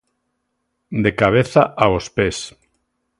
De cabeza aos pés.